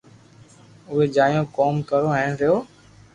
اووي جايون ڪوم ڪرو ھين رھيو